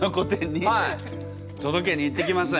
届けに行ってきます。